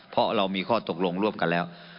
เพราะเรามีข้อตกลงร่วมกันแล้ว